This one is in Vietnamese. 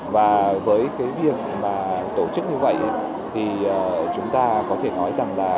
và với cái việc mà tổ chức như vậy thì chúng ta có thể nói rằng là